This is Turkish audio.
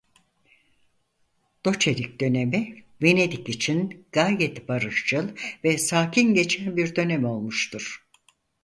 Doçelik donemi Venedik için gayet barışçıl ve sakin gecen bir dönem olmuştur.